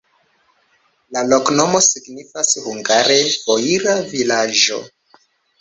La loknomo signifas hungare: foira-vilaĝo.